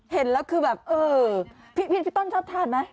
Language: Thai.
เห็นแล้วเป็นแบบพี่ต้อนชอบทานไหม